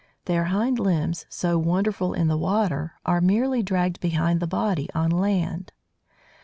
Their hind limbs, so wonderful in the water, are merely dragged behind the body on land.